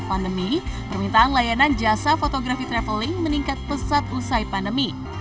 pada saat pandemi permintaan layanan jasa fotografer traveling meningkat pesat usai pandemi